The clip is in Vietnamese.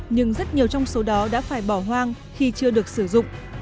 nhưng rất nhiều trong số đó đã phải bỏ hoang khi chưa được sử dụng